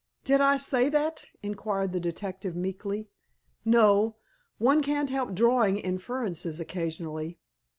"Did I say that?" inquired the detective meekly. "No. One can't help drawing inferences occasionally."